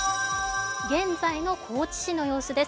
現在の高知市の様子です。